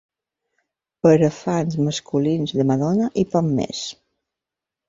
Per a fans masculins de Madonna i poc més.